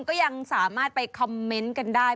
ก็ยังสามารถไปคอมเมนต์กันได้